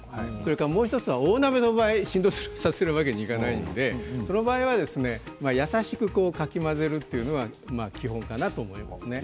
もう１つはお鍋の場合振動させるわけにはいかないのでその場合には優しくかき混ぜるというのが基本かなと思います。